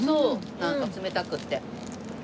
なんか冷たくって。